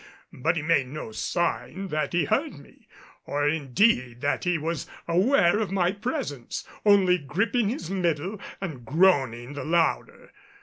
But he made no sign that he heard me or indeed that he was aware of my presence, only gripping his middle and groaning the louder.